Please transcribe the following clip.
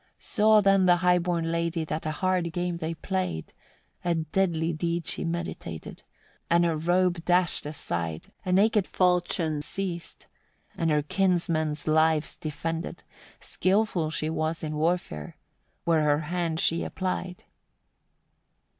47. Saw then the high born lady that a hard game they played; a deadly deed she meditated, and her robe dashed aside, a naked falchion seized, and her kinsmen's lives defended: skilful she was in warfare, where her hand she applied.